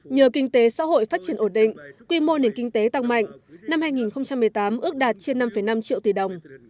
nhờ kinh tế xã hội phát triển ổn định quy mô nền kinh tế tăng mạnh năm hai nghìn một mươi tám ước đạt trên năm năm triệu tỷ đồng